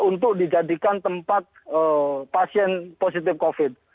untuk dijadikan tempat pasien positif covid